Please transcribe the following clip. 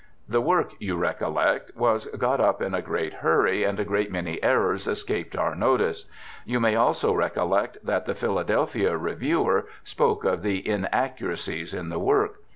The work, you recollect, was got up in a great hurry, and a great many errors escaped our notice. You may also recollect that the Philadelphia reviewer spoke of tne inaccuracies in the work.